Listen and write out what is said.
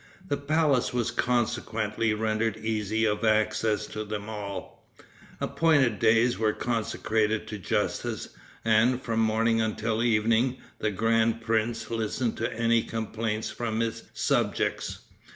The palace was consequently rendered easy of access to them all. Appointed days were consecrated to justice, and, from morning until evening, the grand prince listened to any complaints from his subjects.